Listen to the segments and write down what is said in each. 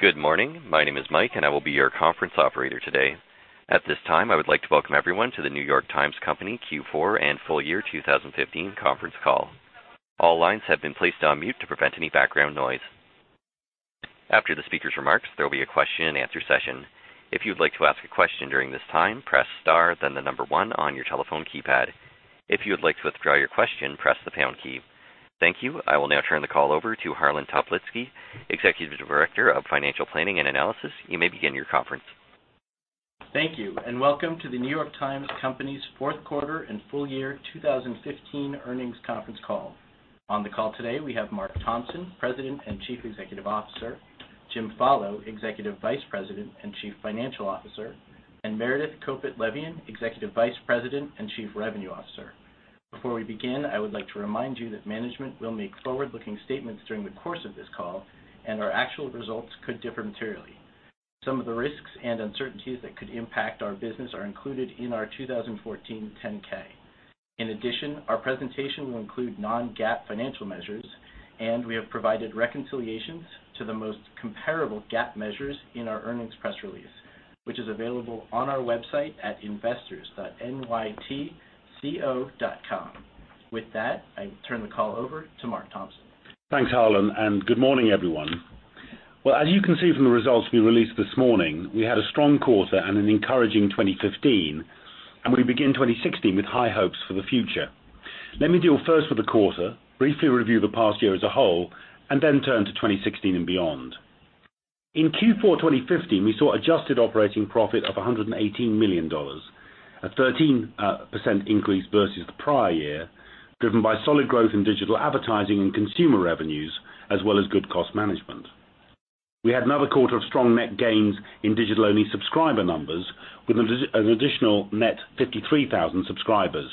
Good morning. My name is Mike, and I will be your conference operator today. At this time, I would like to welcome everyone to The New York Times Company Q4 and full year 2015 conference call. All lines have been placed on mute to prevent any background noise. After the speaker's remarks, there will be a question and answer session. If you would like to ask a question during this time, press star, then the number one on your telephone keypad. If you would like to withdraw your question, press the pound key. Thank you. I will now turn the call over to Harlan Toplitzky, Executive Director of Financial Planning and Analysis. You may begin your conference. Thank you, and welcome to The New York Times Company's fourth quarter and full year 2015 earnings conference call. On the call today, we have Mark Thompson, President and Chief Executive Officer, James Follo, Executive Vice President and Chief Financial Officer, and Meredith Kopit Levien, Executive Vice President and Chief Revenue Officer. Before we begin, I would like to remind you that management will make forward-looking statements during the course of this call, and our actual results could differ materially. Some of the risks and uncertainties that could impact our business are included in our 2014 10-K. In addition, our presentation will include non-GAAP financial measures, and we have provided reconciliations to the most comparable GAAP measures in our earnings press release, which is available on our website at investors.nytco.com. With that, I turn the call over to Mark Thompson. Thanks, Harlan, and good morning, everyone. Well, as you can see from the results we released this morning, we had a strong quarter and an encouraging 2015, and we begin 2016 with high hopes for the future. Let me deal first with the quarter, briefly review the past year as a whole, and then turn to 2016 and beyond. In Q4 2015, we saw adjusted operating profit of $118 million, a 13% increase versus the prior year, driven by solid growth in digital advertising and consumer revenues, as well as good cost management. We had another quarter of strong net gains in digital-only subscriber numbers, with an additional net 53,000 subscribers.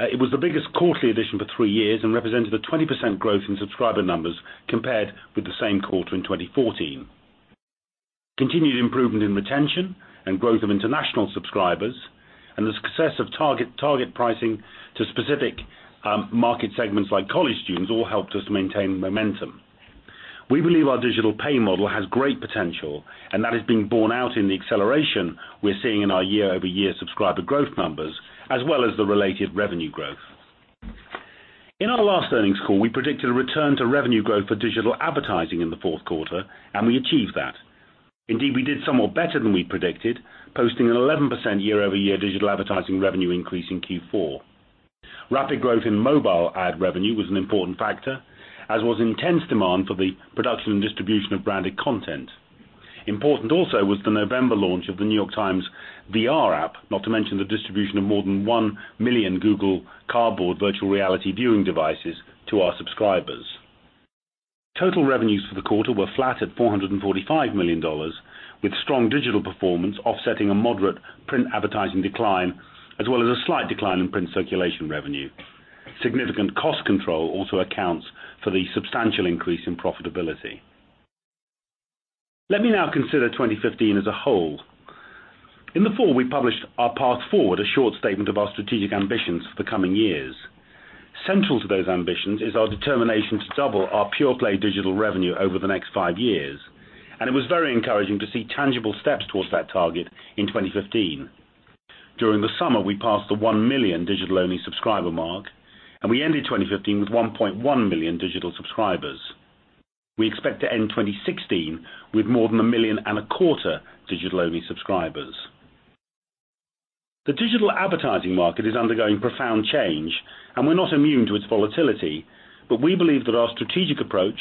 It was the biggest quarterly addition for three years and represented a 20% growth in subscriber numbers compared with the same quarter in 2014. Continued improvement in retention and growth of international subscribers and the success of target pricing to specific market segments like college students all helped us maintain momentum. We believe our digital pay model has great potential, and that is being borne out in the acceleration we're seeing in our year-over-year subscriber growth numbers, as well as the related revenue growth. In our last earnings call, we predicted a return to revenue growth for digital advertising in the fourth quarter, and we achieved that. Indeed, we did somewhat better than we predicted, posting an 11% year-over-year digital advertising revenue increase in Q4. Rapid growth in mobile ad revenue was an important factor, as was intense demand for the production and distribution of branded content. Important also was the November launch of the NYT VR app, not to mention the distribution of more than 1 million Google Cardboard virtual reality viewing devices to our subscribers. Total revenues for the quarter were flat at $445 million, with strong digital performance offsetting a moderate print advertising decline, as well as a slight decline in print circulation revenue. Significant cost control also accounts for the substantial increase in profitability. Let me now consider 2015 as a whole. In the fall, we published Our Path Forward, a short statement of our strategic ambitions for the coming years. Central to those ambitions is our determination to double our pure play digital revenue over the next 5 years, and it was very encouraging to see tangible steps towards that target in 2015. During the summer, we passed the 1 million digital-only subscriber mark, and we ended 2015 with 1.1 million digital subscribers. We expect to end 2016 with more than 1.25 million digital-only subscribers. The digital advertising market is undergoing profound change, and we're not immune to its volatility, but we believe that our strategic approach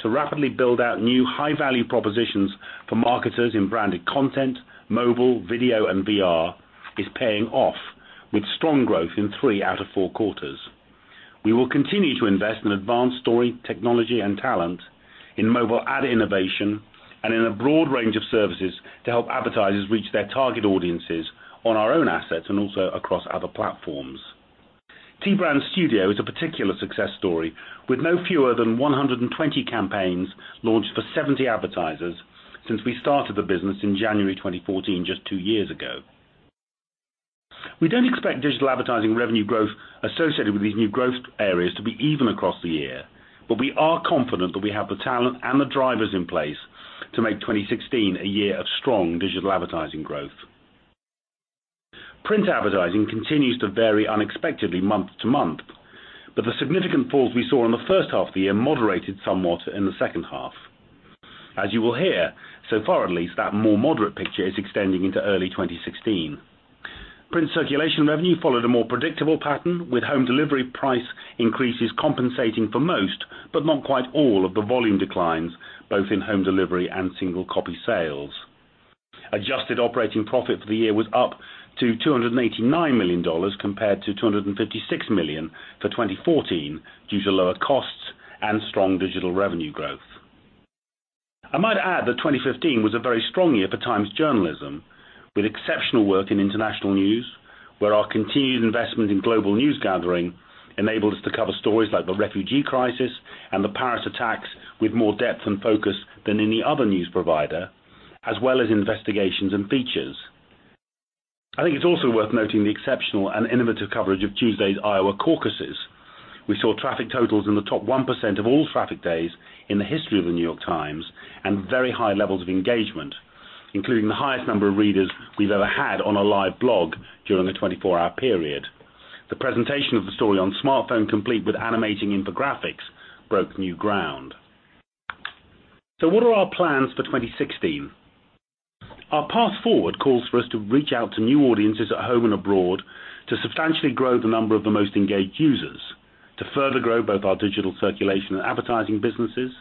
to rapidly build out new high-value propositions for marketers in branded content, mobile, video, and VR is paying off with strong growth in three out of four quarters. We will continue to invest in advanced story technology and talent, in mobile ad innovation, and in a broad range of services to help advertisers reach their target audiences on our own assets and also across other platforms. T Brand Studio is a particular success story, with no fewer than 120 campaigns launched for 70 advertisers since we started the business in January 2014, just two years ago. We don't expect digital advertising revenue growth associated with these new growth areas to be even across the year, but we are confident that we have the talent and the drivers in place to make 2016 a year of strong digital advertising growth. Print advertising continues to vary unexpectedly month to month, but the significant falls we saw in the first half of the year moderated somewhat in the second half. As you will hear, so far at least, that more moderate picture is extending into early 2016. Print circulation revenue followed a more predictable pattern, with home delivery price increases compensating for most, but not quite all of the volume declines, both in home delivery and single copy sales. Adjusted operating profit for the year was up to $289 million, compared to $256 million for 2014 due to lower costs and strong digital revenue growth. I might add that 2015 was a very strong year for Times journalism with exceptional work in international news, where our continued investment in global news gathering enabled us to cover stories like the refugee crisis and the Paris attacks with more depth and focus than any other news provider, as well as investigations and features. I think it's also worth noting the exceptional and innovative coverage of Tuesday's Iowa caucuses. We saw traffic totals in the top 1% of all traffic days in the history of The New York Times, and very high levels of engagement, including the highest number of readers we've ever had on a live blog during a 24-hour period. The presentation of the story on smartphone, complete with animating infographics, broke new ground. What are our plans for 2016? Our Path Forward calls for us to reach out to new audiences at home and abroad to substantially grow the number of the most engaged users, to further grow both our digital circulation and advertising businesses,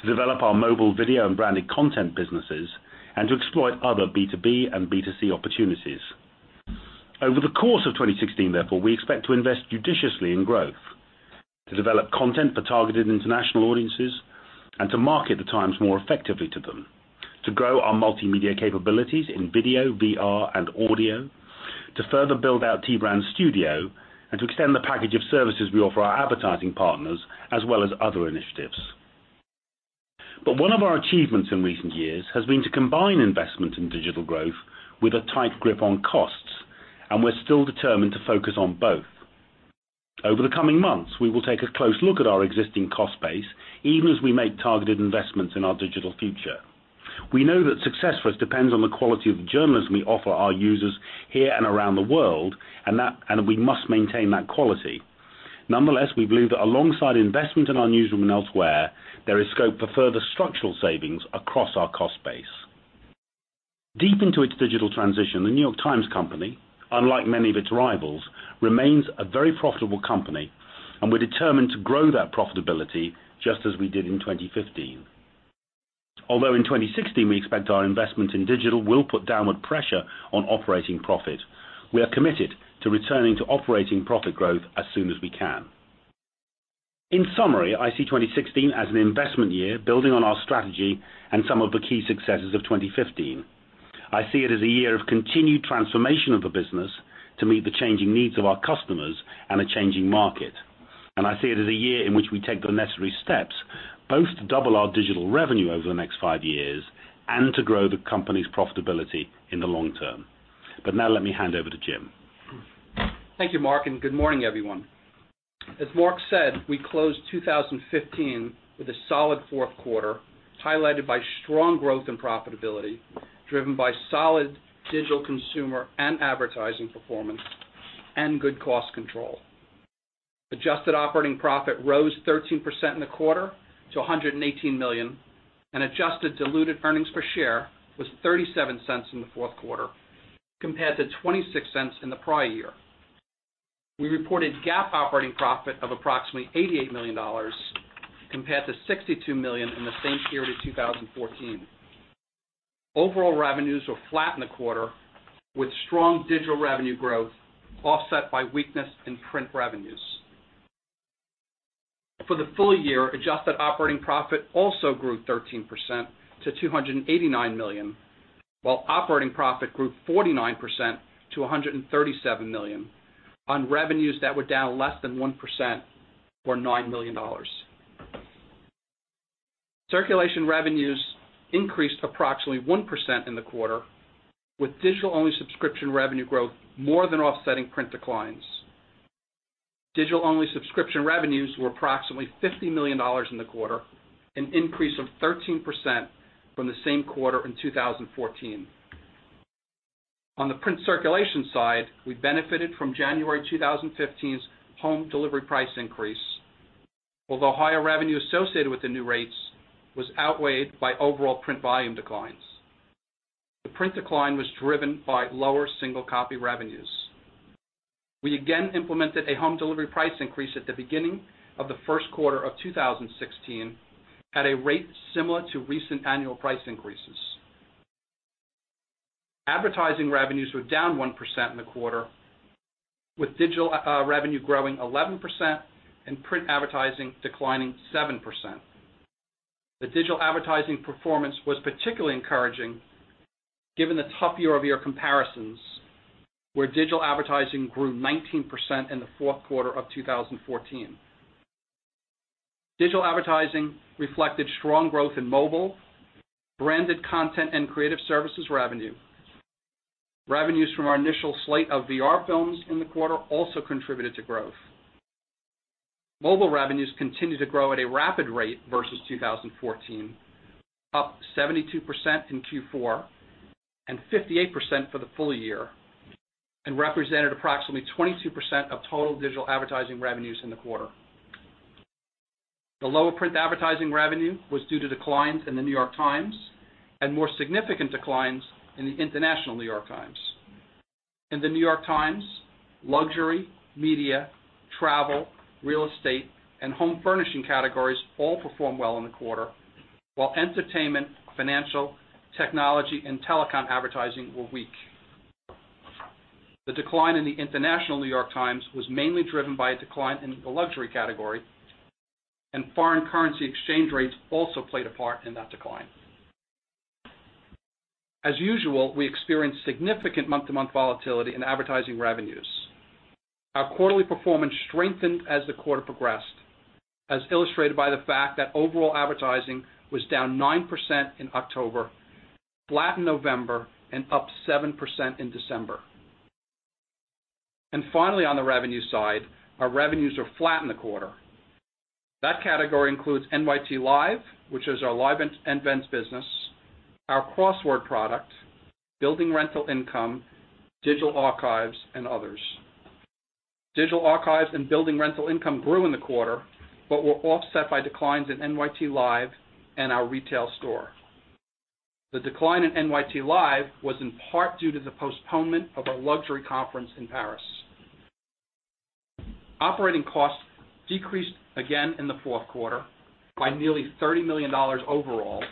to develop our mobile video and branded content businesses, and to exploit other B2B and B2C opportunities. Over the course of 2016 therefore, we expect to invest judiciously in growth, to develop content for targeted international audiences, and to market the Times more effectively to them, to grow our multimedia capabilities in video, VR, and audio, to further build out T Brand Studio, and to extend the package of services we offer our advertising partners as well as other initiatives. One of our achievements in recent years has been to combine investment in digital growth with a tight grip on costs, and we're still determined to focus on both. Over the coming months, we will take a close look at our existing cost base, even as we make targeted investments in our digital future. We know that success for us depends on the quality of journalism we offer our users here and around the world, and we must maintain that quality. Nonetheless, we believe that alongside investment in our newsroom and elsewhere, there is scope for further structural savings across our cost base. Deep into its digital transition, The New York Times Company, unlike many of its rivals, remains a very profitable company, and we're determined to grow that profitability just as we did in 2015. Although in 2016, we expect our investment in digital will put downward pressure on operating profit. We are committed to returning to operating profit growth as soon as we can. In summary, I see 2016 as an investment year, building on our strategy and some of the key successes of 2015. I see it as a year of continued transformation of the business to meet the changing needs of our customers and a changing market. And I see it as a year in which we take the necessary steps both to double our digital revenue over the next five years and to grow the company's profitability in the long term. Now let me hand over to Jim. Thank you, Mark, and good morning, everyone. As Mark said, we closed 2015 with a solid fourth quarter, highlighted by strong growth in profitability, driven by solid digital consumer and advertising performance and good cost control. Adjusted operating profit rose 13% in the quarter to $118 million, and adjusted diluted earnings per share was $0.37 in the fourth quarter, compared to $0.26 in the prior year. We reported GAAP operating profit of approximately $88 million, compared to $62 million in the same period of 2014. Overall revenues were flat in the quarter, with strong digital revenue growth offset by weakness in print revenues. For the full year, adjusted operating profit also grew 13% to $289 million, while operating profit grew 49% to $137 million on revenues that were down less than 1% or $9 million. Circulation revenues increased approximately 1% in the quarter, with digital-only subscription revenue growth more than offsetting print declines. Digital-only subscription revenues were approximately $50 million in the quarter, an increase of 13% from the same quarter in 2014. On the print circulation side, we benefited from January 2015's home delivery price increase, although higher revenue associated with the new rates was outweighed by overall print volume declines. The print decline was driven by lower single copy revenues. We again implemented a home delivery price increase at the beginning of the first quarter of 2016 at a rate similar to recent annual price increases. Advertising revenues were down 1% in the quarter, with digital revenue growing 11% and print advertising declining 7%. The digital advertising performance was particularly encouraging given the tough year-over-year comparisons, where digital advertising grew 19% in the fourth quarter of 2014. Digital advertising reflected strong growth in mobile, branded content and creative services revenue. Revenues from our initial slate of VR films in the quarter also contributed to growth. Mobile revenues continued to grow at a rapid rate versus 2014, up 72% in Q4 and 58% for the full year, and represented approximately 22% of total digital advertising revenues in the quarter. The lower print advertising revenue was due to declines in The New York Times and more significant declines in the International New York Times. In The New York Times, luxury, media, travel, real estate, and home furnishing categories all performed well in the quarter, while entertainment, financial, technology, and telecom advertising were weak. The decline in the International New York Times was mainly driven by a decline in the luxury category, and foreign currency exchange rates also played a part in that decline. As usual, we experienced significant month-to-month volatility in advertising revenues. Our quarterly performance strengthened as the quarter progressed, as illustrated by the fact that overall advertising was down 9% in October, flat in November, and up 7% in December. Finally, on the revenue side, our revenues are flat in the quarter. That category includes NYT Live, which is our live and events business, our crossword product, building rental income, digital archives, and others. Digital archives and building rental income grew in the quarter, but were offset by declines in NYT Live and our retail store. The decline in NYT Live was in part due to the postponement of our luxury conference in Paris. Operating costs decreased again in the fourth quarter by nearly $30 million overall,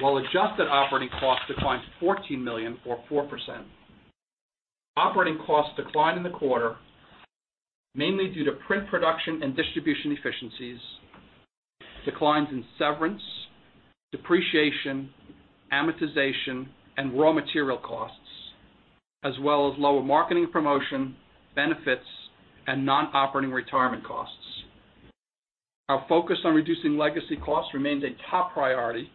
while adjusted operating costs declined by $14 million or 4%. Operating costs declined in the quarter, mainly due to print production and distribution efficiencies, declines in severance, depreciation, amortization, and raw material costs, as well as lower marketing promotion, benefits, and non-operating retirement costs. Our focus on reducing legacy costs remains a top priority,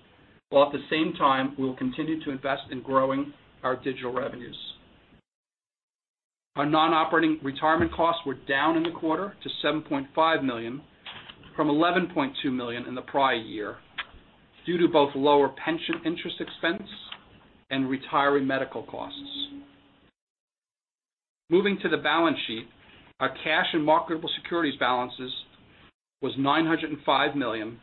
while at the same time, we will continue to invest in growing our digital revenues. Our non-operating retirement costs were down in the quarter to $7.5 million from $11.2 million in the prior year, due to both lower pension interest expense and retiree medical costs. Moving to the balance sheet, our cash and marketable securities balances was $905 million,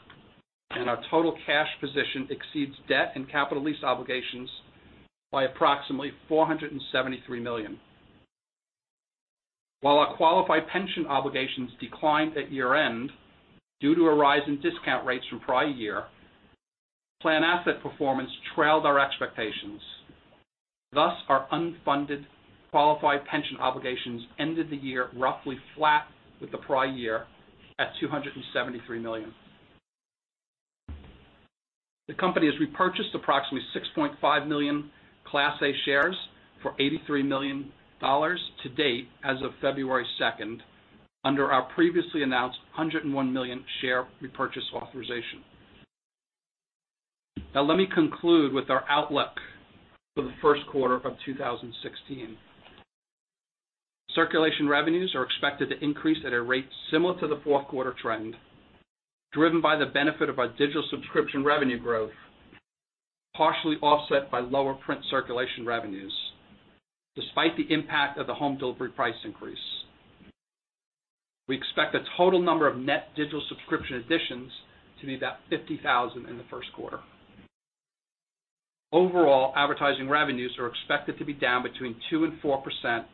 and our total cash position exceeds debt and capital lease obligations by approximately $473 million. While our qualified pension obligations declined at year-end due to a rise in discount rates from prior year, plan asset performance trailed our expectations. Thus, our unfunded qualified pension obligations ended the year roughly flat with the prior year, at $273 million. The company has repurchased approximately 6.5 million Class A shares for $83 million to date as of February 2nd, under our previously announced 101 million share repurchase authorization. Now let me conclude with our outlook for the first quarter of 2016. Circulation revenues are expected to increase at a rate similar to the fourth quarter trend, driven by the benefit of our digital subscription revenue growth, partially offset by lower print circulation revenues despite the impact of the home delivery price increase. We expect the total number of net digital subscription additions to be about 50,000 in the first quarter. Overall advertising revenues are expected to be down between 2%-4%,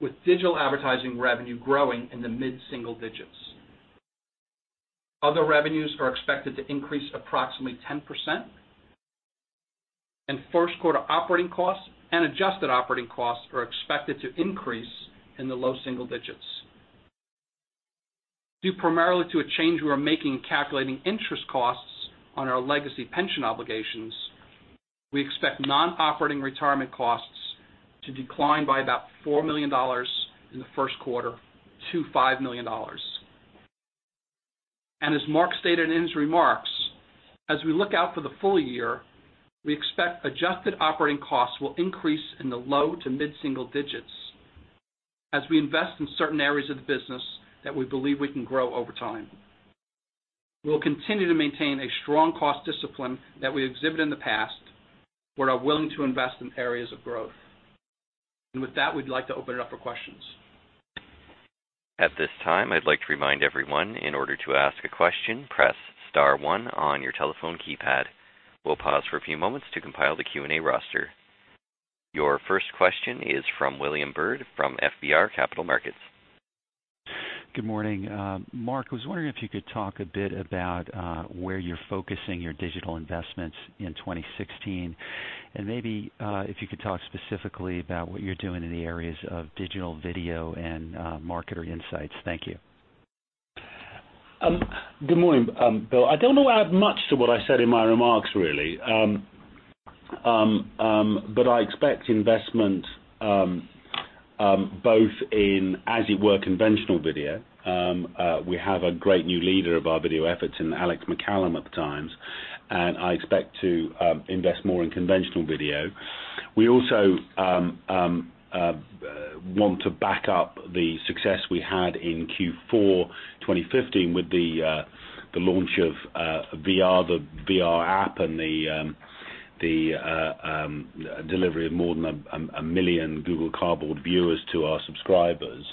with digital advertising revenue growing in the mid-single digits. Other revenues are expected to increase approximately 10%, and first quarter operating costs and adjusted operating costs are expected to increase in the low single digits. Due primarily to a change we are making in calculating interest costs on our legacy pension obligations, we expect non-operating retirement costs to decline by about $4 million in the first quarter to $5 million. As Mark stated in his remarks, as we look out for the full year, we expect adjusted operating costs will increase in the low to mid-single digits as we invest in certain areas of the business that we believe we can grow over time. We will continue to maintain a strong cost discipline that we exhibited in the past. We are willing to invest in areas of growth. With that, we'd like to open it up for questions. At this time, I'd like to remind everyone, in order to ask a question, press star one on your telephone keypad. We'll pause for a few moments to compile the Q&A roster. Your first question is from William Bird from FBR Capital Markets. Good morning. Mark, I was wondering if you could talk a bit about where you're focusing your digital investments in 2016, and maybe if you could talk specifically about what you're doing in the areas of digital video and marketer insights. Thank you. Good morning, Bill. I don't know that I have much to add to what I said in my remarks, really. I expect investment both in, as it were, conventional video. We have a great new leader of our video efforts in Alex MacCallum at The Times, and I expect to invest more in conventional video. We also want to back up the success we had in Q4 2015 with the launch of the VR app and the delivery of more than 1 million Google Cardboard viewers to our subscribers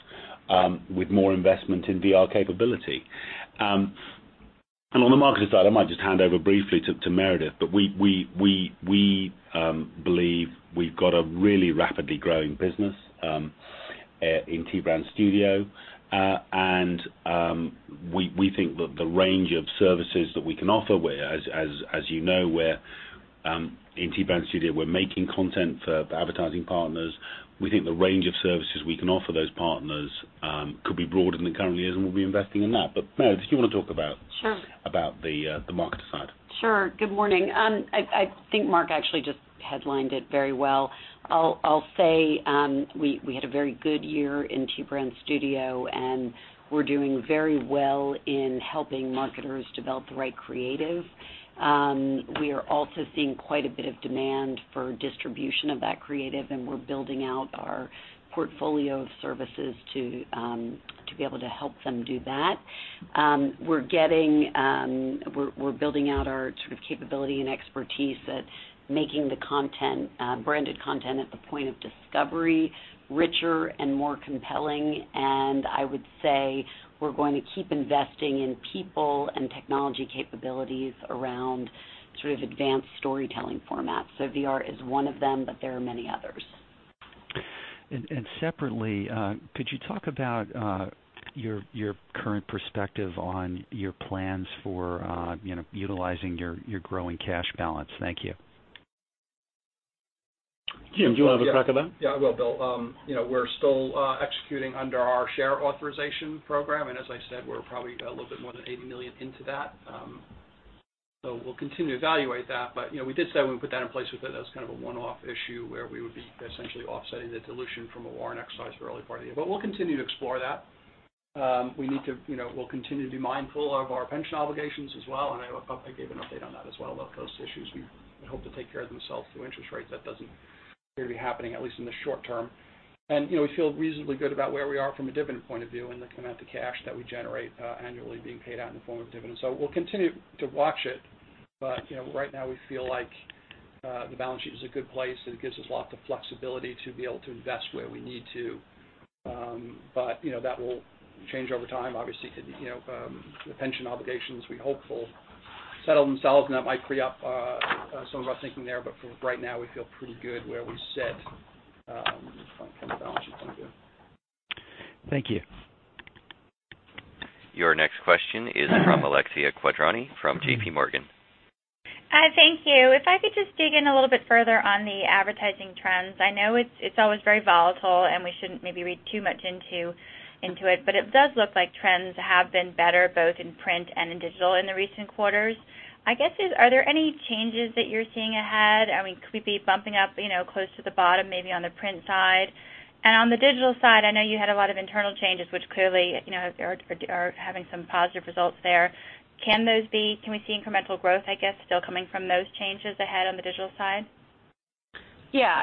with more investment in VR capability. On the marketing side, I might just hand over briefly to Meredith, but we believe we've got a really rapidly growing business in T Brand Studio. We think that the range of services that we can offer, as you know, we're In T Brand Studio, we're making content for advertising partners. We think the range of services we can offer those partners could be broader than it currently is, and we'll be investing in that. Meredith, do you want to talk about? Sure about the marketer side? Sure. Good morning. I think Mark actually just headlined it very well. I'll say, we had a very good year in T Brand Studio, and we're doing very well in helping marketers develop the right creative. We are also seeing quite a bit of demand for distribution of that creative, and we're building out our portfolio of services to be able to help them do that. We're building out our capability and expertise at making the branded content at the point of discovery richer and more compelling, and I would say we're going to keep investing in people and technology capabilities around advanced storytelling formats. VR is one of them, but there are many others. Separately, could you talk about your current perspective on your plans for utilizing your growing cash balance? Thank you. Jim, do you want to have a crack at that? Yeah, I will, Bill. We're still executing under our share authorization program, and as I said, we're probably a little bit more than $80 million into that. We'll continue to evaluate that. We did say when we put that in place that that's kind of a one-off issue where we would be essentially offsetting the dilution from a warrant exercise for early party, but we'll continue to explore that. We'll continue to be mindful of our pension obligations as well, and I gave an update on that as well, about those issues we had hoped to take care of themselves through interest rates. That doesn't appear to be happening, at least in the short term. We feel reasonably good about where we are from a dividend point of view and the amount of cash that we generate annually being paid out in the form of dividends. We'll continue to watch it, but right now, we feel like the balance sheet is a good place, and it gives us lots of flexibility to be able to invest where we need to. That will change over time. Obviously, the pension obligations we hope will settle themselves, and that might free up some of our thinking there. For right now, we feel pretty good where we sit from a balance sheet point of view. Thank you. Your next question is from Alexia Quadrani, from JPMorgan. Hi, thank you. If I could just dig in a little bit further on the advertising trends. I know it's always very volatile, and we shouldn't maybe read too much into it, but it does look like trends have been better, both in print and in digital in the recent quarters. I guess, are there any changes that you're seeing ahead? Could we be bumping up close to the bottom, maybe on the print side? On the digital side, I know you had a lot of internal changes, which clearly are having some positive results there. Can we see incremental growth, I guess, still coming from those changes ahead on the digital side? Yeah.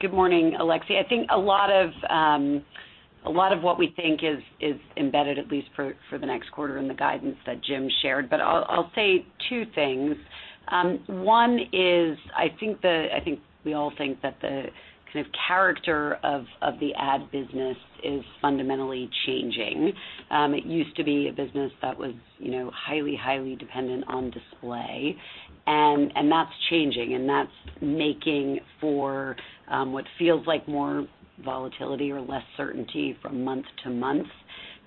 Good morning, Alexia. I think a lot of what we think is embedded, at least for the next quarter in the guidance that Jim shared, but I'll say two things. One is, I think we all think that the kind of character of the ad business is fundamentally changing. It used to be a business that was highly dependent on display. That's changing, and that's making for what feels like more volatility or less certainty from month to month.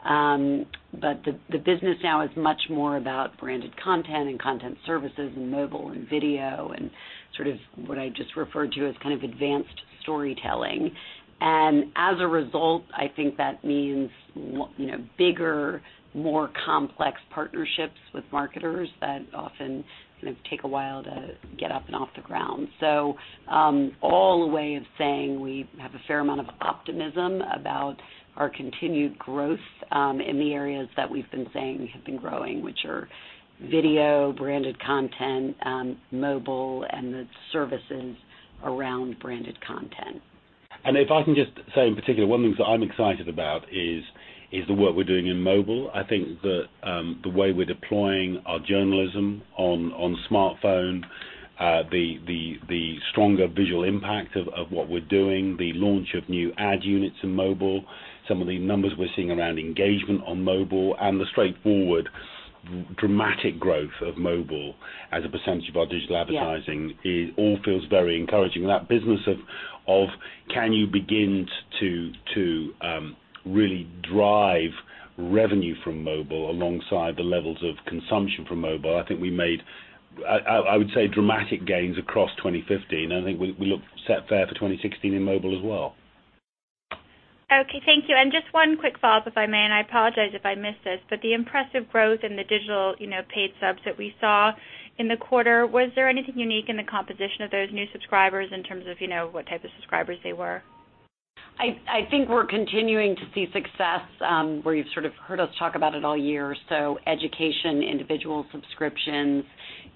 The business now is much more about branded content and content services and mobile and video and sort of what I just referred to as kind of advanced storytelling. As a result, I think that means bigger, more complex partnerships with marketers that often kind of take a while to get up and off the ground. All a way of saying we have a fair amount of optimism about our continued growth, in the areas that we've been saying we have been growing, which are video, branded content, mobile, and the services around branded content. If I can just say in particular, one of the things that I'm excited about is the work we're doing in mobile. I think that the way we're deploying our journalism on smartphone, the stronger visual impact of what we're doing, the launch of new ad units in mobile, some of the numbers we're seeing around engagement on mobile, and the straightforward dramatic growth of mobile as a percentage of our digital advertising. Yeah It all feels very encouraging. That business of, can you begin to really drive revenue from mobile alongside the levels of consumption from mobile? I think we made, I would say, dramatic gains across 2015, and I think we look set fair for 2016 in mobile as well. Okay, thank you. Just one quick follow-up, if I may, and I apologize if I missed this, but the impressive growth in the digital paid subs that we saw in the quarter, was there anything unique in the composition of those new subscribers in terms of what type of subscribers they were? I think we're continuing to see success, where you've sort of heard us talk about it all year. Education, individual subscriptions,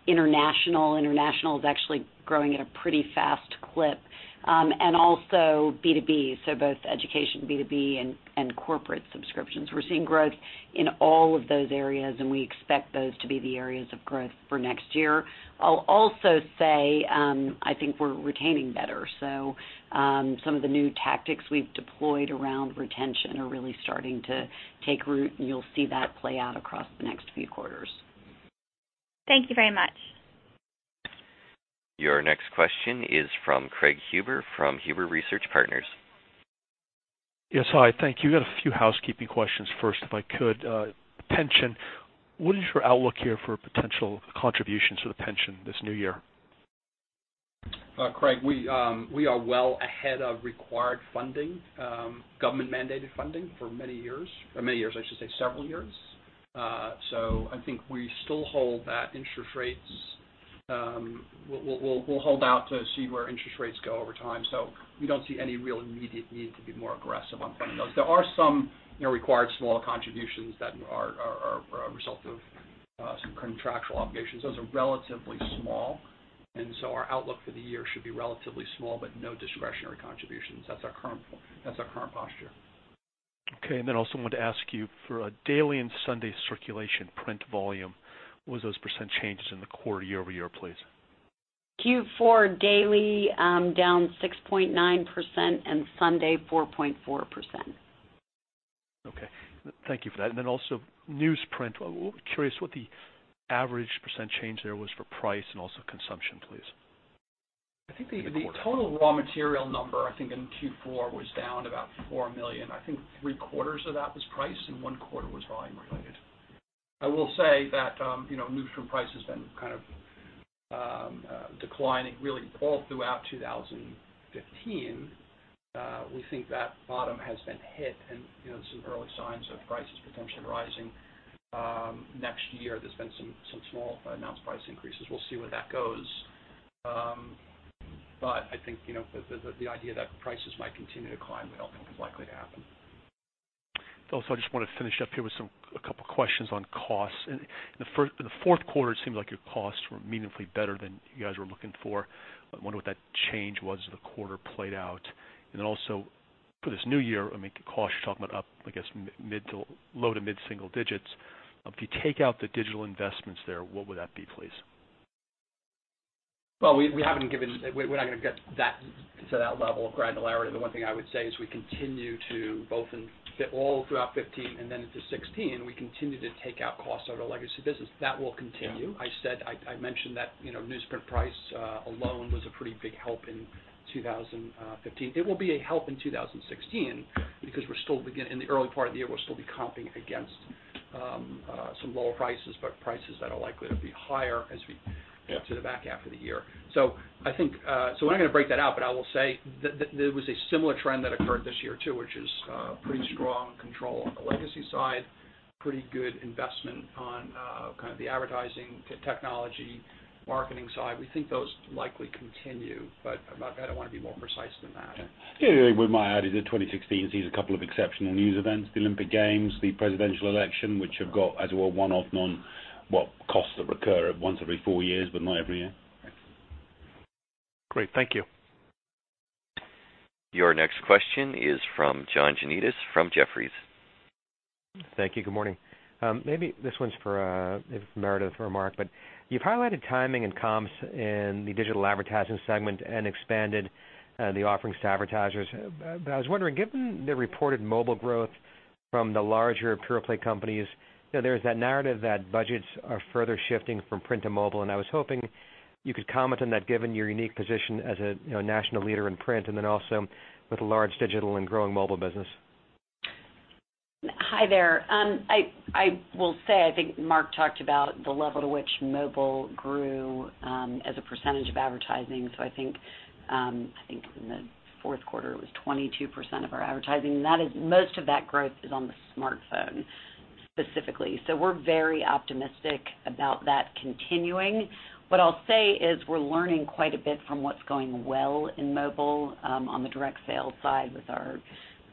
international. International is actually growing at a pretty fast clip. Also B2B, so both education, B2B, and corporate subscriptions. We're seeing growth in all of those areas, and we expect those to be the areas of growth for next year. I'll also say, I think we're retaining better. Some of the new tactics we've deployed around retention are really starting to take root, and you'll see that play out across the next few quarters. Thank you very much. Your next question is from Craig Huber, from Huber Research Partners. Yes. Hi, thank you. Got a few housekeeping questions first, if I could. Pension, what is your outlook here for potential contributions to the pension this new year? Craig, we are well ahead of required funding, government-mandated funding for many years. I should say several years. I think we still hold that interest rates. We'll hold out to see where interest rates go over time. We don't see any real immediate need to be more aggressive on funding those. There are some required small contributions that are a result of some contractual obligations. Those are relatively small, and so our outlook for the year should be relatively small, but no discretionary contributions. That's our current posture. Okay. Also wanted to ask you for a daily and Sunday circulation print volume, what was those percent changes in the quarter year-over-year, please? Q4 daily down 6.9% and Sunday 4.4%. Okay. Thank you for that. Also, newsprint. Curious what the average % change there was for price and also consumption, please. I think the total raw material number, I think in Q4 was down about $4 million. I think three-quarters of that was price and one quarter was volume related. I will say that newsprint price has been kind of declining really all throughout 2015. We think that bottom has been hit and some early signs of prices potentially rising next year. There's been some small announced price increases. We'll see where that goes. I think, the idea that prices might continue to climb, we don't think is likely to happen. I just want to finish up here with a couple questions on costs. In the fourth quarter, it seemed like your costs were meaningfully better than you guys were looking for. I wonder what that change was as the quarter played out. For this new year, costs you're talking about up, I guess, low- to mid-single digits. If you take out the digital investments there, what would that be, please? Well, we're not going to get to that level of granularity. The one thing I would say is we continue to both all throughout 2015 and then into 2016, we continue to take out costs from the legacy business. That will continue. I mentioned that newsprint price alone was a pretty big help in 2015. It will be a help in 2016 because in the early part of the year, we'll still be comping against some lower prices, but prices that are likely to be higher as we get to the back half of the year. We're not going to break that out, but I will say there was a similar trend that occurred this year too, which is pretty strong control on the legacy side, pretty good investment on the advertising technology, marketing side. We think those likely continue, but I don't want to be more precise than that. Yeah. What I might add is that 2016 sees a couple of exceptional news events, the Olympic Games, the presidential election, which have cost us a one-off, well, costs that recur once every four years, but not every year. Great. Thank you. Your next question is from John Janedis from Jefferies. Thank you. Good morning. Maybe this one's for Meredith or Mark, but you've highlighted timing and comps in the digital advertising segment and expanded the offerings to advertisers. I was wondering, given the reported mobile growth from the larger pure play companies, there's that narrative that budgets are further shifting from print to mobile, and I was hoping you could comment on that given your unique position as a national leader in print and then also with a large digital and growing mobile business? Hi there. I will say, I think Mark talked about the level to which mobile grew, as a percentage of advertising. I think in the fourth quarter, it was 22% of our advertising. Most of that growth is on the smartphone specifically. We're very optimistic about that continuing. What I'll say is we're learning quite a bit from what's going well in mobile, on the direct sales side with our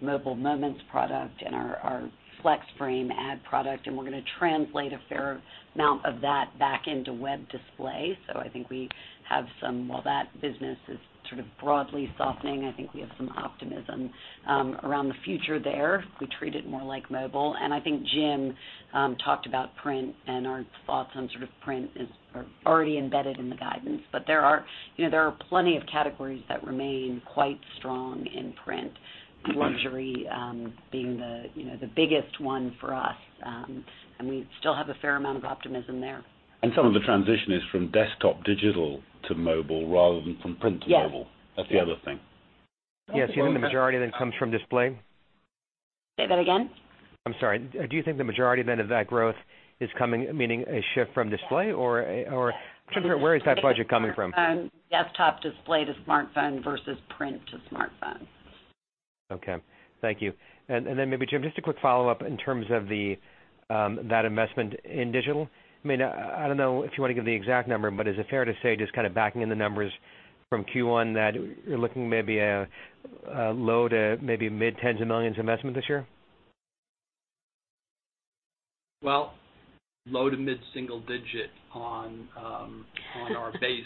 Mobile Moments product and our FlexFrame ad product, and we're going to translate a fair amount of that back into web display. I think while that business is sort of broadly softening, I think we have some optimism around the future there. We treat it more like mobile. I think Jim talked about print and our thoughts on sort of print are already embedded in the guidance. There are plenty of categories that remain quite strong in print. Luxury being the biggest one for us. We still have a fair amount of optimism there. Some of the transition is from desktop digital to mobile rather than from print to mobile. Yes. That's the other thing. Yeah. You think the majority of that comes from display? Say that again? I'm sorry. Do you think the majority then of that growth is coming, meaning a shift from display or- Yes. I'm trying to figure out where that budget is coming from? Desktop display to smartphone versus print to smartphone. Okay. Thank you. Maybe Jim, just a quick follow-up in terms of that investment in digital. I don't know if you want to give the exact number, but is it fair to say just kind of backing in the numbers from Q1 that you're looking maybe a low to maybe mid-$10s of millions investment this year? Well, low- to mid-single-digit % on our base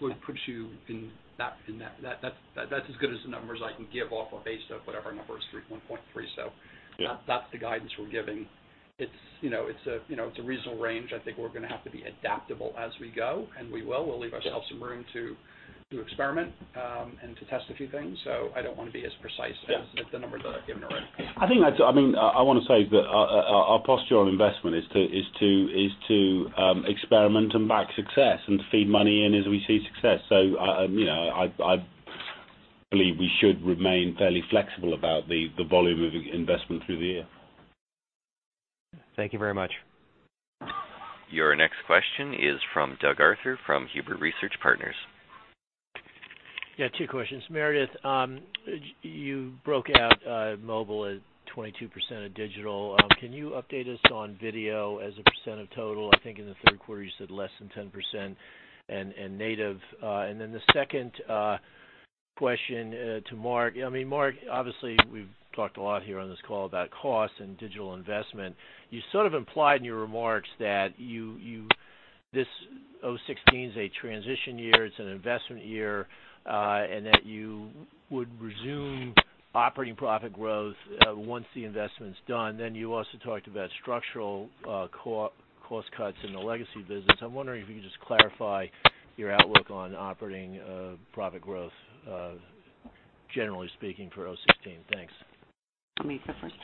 would put you in that. That's as good as the numbers I can give off a base of whatever our number is, 3.3. That's the guidance we're giving. It's a reasonable range. I think we're going to have to be adaptable as we go, and we will. We'll leave ourselves some room to experiment, and to test a few things. I don't want to be as precise as the numbers that I've given already. I want to say that our posture on investment is to experiment and back success and feed money in as we see success. I believe we should remain fairly flexible about the volume of investment through the year. Thank you very much. Your next question is from Doug Arthur from Huber Research Partners. Yeah, two questions. Meredith, you broke out mobile at 22% of digital. Can you update us on video as a percent of total? I think in the third quarter you said less than 10% and native. Then the second question to Mark. Mark, obviously we've talked a lot here on this call about costs and digital investment. You sort of implied in your remarks that this 2016 is a transition year, it's an investment year, and that you would resume operating profit growth once the investment's done. Then you also talked about structural cost cuts in the legacy business. I'm wondering if you could just clarify your outlook on operating profit growth, generally speaking, for 2016. Thanks. Want me to go first?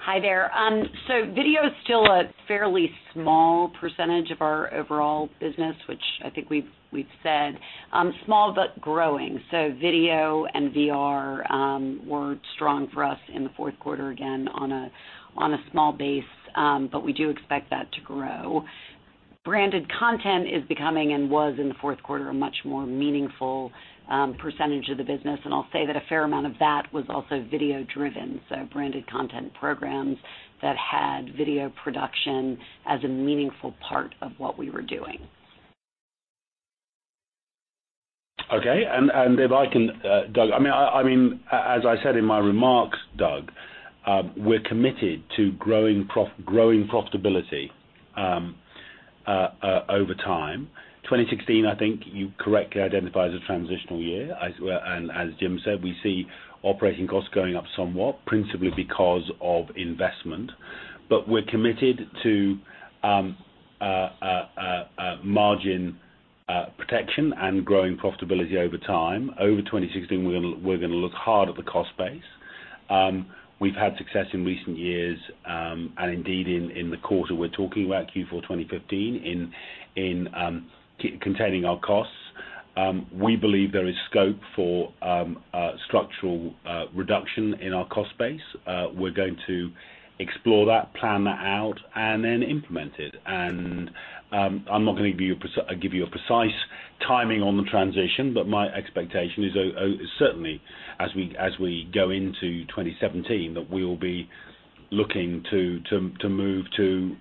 Hi there. Video is still a fairly small percentage of our overall business, which I think we've said. Small but growing. Video and VR were strong for us in the fourth quarter, again, on a small base. We do expect that to grow. Branded content is becoming, and was in the fourth quarter, a much more meaningful percentage of the business, and I'll say that a fair amount of that was also video-driven. Branded content programs that had video production as a meaningful part of what we were doing. Okay. If I can, Doug. As I said in my remarks, Doug, we're committed to growing profitability over time. 2016, I think you correctly identify as a transitional year. As Jim said, we see operating costs going up somewhat, principally because of investment. We're committed to margin protection and growing profitability over time. Over 2016, we're going to look hard at the cost base. We've had success in recent years, and indeed in the quarter we're talking about, Q4 2015, in containing our costs. We believe there is scope for structural reduction in our cost base. We're going to explore that, plan that out, and then implement it. I'm not going to give you a precise timing on the transition, but my expectation is certainly, as we go into 2017, that we will be looking to move to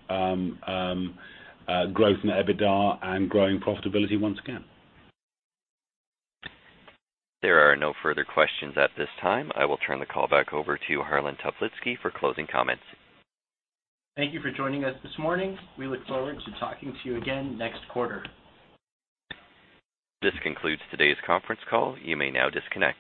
growth in EBITDA and growing profitability once again. There are no further questions at this time. I will turn the call back over to Harlan Toplitzky for closing comments. Thank you for joining us this morning. We look forward to talking to you again next quarter. This concludes today's conference call. You may now disconnect.